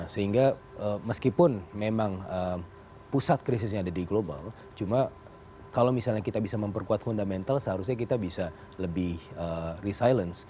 sehingga meskipun memang pusat krisisnya ada di global cuma kalau misalnya kita bisa memperkuat fundamental seharusnya kita bisa lebih resilience